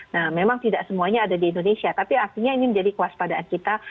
nah memang tidak semuanya ada di indonesia tapi artinya ini menjadi kewaspadaan kita